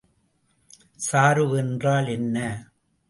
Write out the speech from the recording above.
சார்பு என்றால் என்ன?